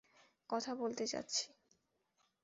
কথা বলতে যাচ্ছি।